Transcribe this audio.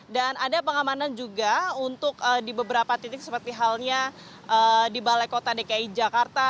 dan ada pengamanan juga untuk di beberapa titik seperti halnya di balai kota dki jakarta